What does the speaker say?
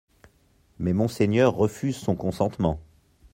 Mais monseigneur refuse son consentement.